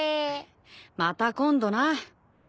また今度な。